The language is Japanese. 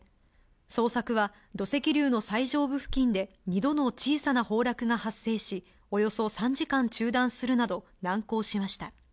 捜索は土石流の最上部付近で２度の小さな崩落が発生し、およそ３時間中断するなど難航しました。